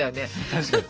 確かに。